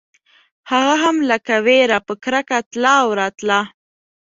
هغه هم لکه وېره په کرکه تله او راتله.